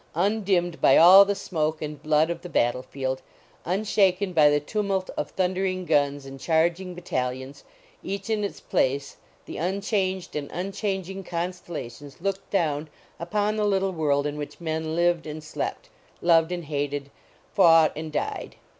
Undimmed by all the smoke and blood of the battle field. Un shaken by the tumult of thundering guns and charging battalions, each in its place, the un changed and unchanging constellations looked down upon the little world in which men lived and slept ; loved and hated ; fought and died.